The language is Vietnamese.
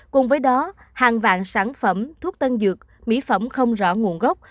cùng với đó hàng vạn sản phẩm thuốc tân dược mỹ phẩm không rõ nguồn gốc